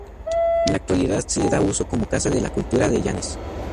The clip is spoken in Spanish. En la actualidad se le da uso como Casa de la Cultura de Llanes.